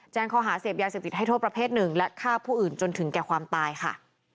ข้อหาเสพยาเสพติดให้โทษประเภทหนึ่งและฆ่าผู้อื่นจนถึงแก่ความตายค่ะ